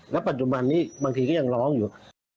ปัจจุบันนี้บางทีก็ยังร้องอยู่